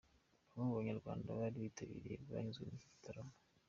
Bamwe mu banyarwanda bari bitabiriye banyuzwe n'iki gitaramo.